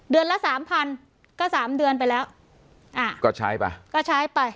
เดือนละสามพันก็สามเดือนไปแล้วอ่าก็ใช้ป่ะก็ใช้ไป